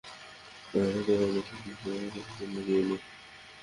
আল্লাহ তারপর আমার এই সন্তান ছাড়া আমার সাথে আর কেউ নেই।